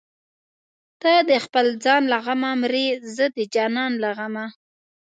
ته د خپل ځان له غمه مرې زه د جانان له غمه